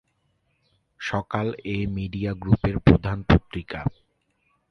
সকাল এই মিডিয়া গ্রুপের প্রধান পত্রিকা।